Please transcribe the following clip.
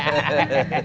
bang muhyiddin tau